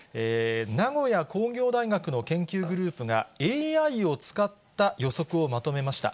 名古屋工業大学の研究グループがＡＩを使った予測をまとめました。